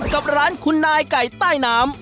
กับร้านคุณนายไก่ใต้น้ำ